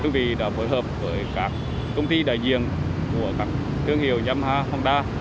thương hiệu đã phối hợp với các công ty đại diện của các thương hiệu yamaha honda